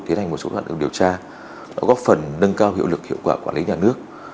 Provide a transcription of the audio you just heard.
tiến hành một số hoạt động điều tra góp phần nâng cao hiệu lực hiệu quả quản lý nhà nước